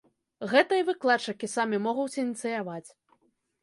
Гэта і выкладчыкі самі могуць ініцыяваць.